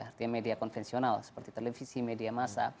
artinya media konvensional seperti televisi media masa